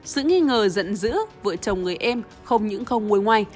sự nghi ngờ giận dữ vợ chồng người em không những không ngồi ngoài